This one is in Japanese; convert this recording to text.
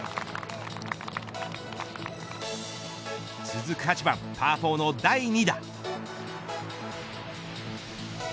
続く８番パー４の第２打。